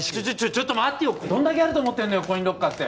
ちょっと待ってよどんだけあると思ってんのコインロッカー